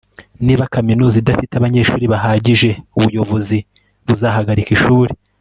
Niba kaminuza idafite abanyeshuri bahagije ubuyobozi buzahagarika ishuri